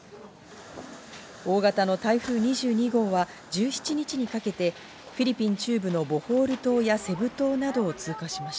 大型の台風２２号は１７日にかけてフィリピン中部のボホール島やセブ島などを通過し